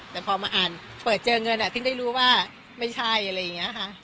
แต่พอมาอ่านเปิดเจอเงินซึ่งได้รู้ว่าไม่ใช่อะไรอย่างนี้ค่ะ